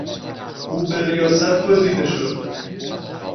او به ریاست گزیده شد.